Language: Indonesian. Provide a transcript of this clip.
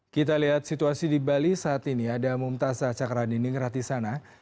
kita lihat situasi di bali saat ini ada mumtazah cakranini ngerati sana